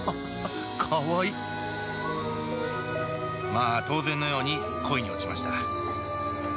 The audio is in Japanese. まあ当然のように恋に落ちました。